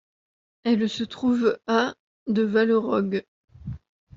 Elle se trouve à de Valleraugue.